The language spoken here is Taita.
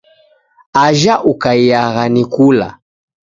Ajha Ukaiyagha ni kula.